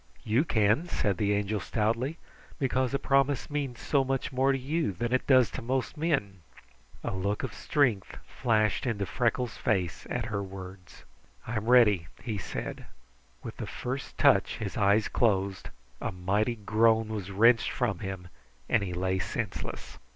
"You can," said the Angel stoutly, "because a promise means so much more to you than it does to most men." A look of strength flashed into Freckles' face at her words. "I am ready," he said. With the first touch his eyes closed, a mighty groan was wrenched from him, and he lay senseless.